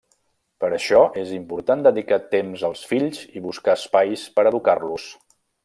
Per això, és important dedicar temps als fills i buscar espais per educar-los.